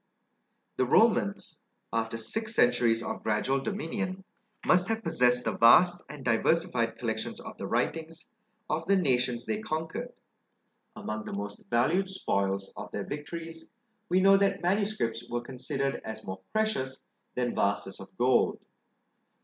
The Romans, after six centuries of gradual dominion, must have possessed the vast and diversified collections of the writings of the nations they conquered: among the most valued spoils of their victories, we know that manuscripts were considered as more precious than vases of gold.